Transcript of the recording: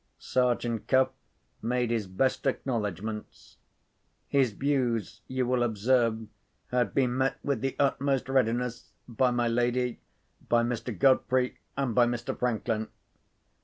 Sergeant Cuff made his best acknowledgments. His views, you will observe, had been met with the utmost readiness by my lady, by Mr. Godfrey, and by Mr. Franklin.